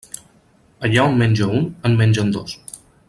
Allà on menja un, en mengen dos.